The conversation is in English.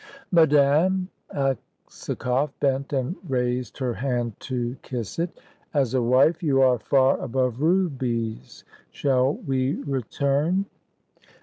"Madame," Aksakoff bent and raised her hand to kiss it; "as a wife you are far above rubies. Shall we return?"